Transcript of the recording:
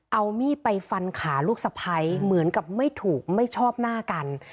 เอามีดไปฟันขาลูกสะพ้ายเหมือนกับไม่ถูกไม่ชอบหน้ากัน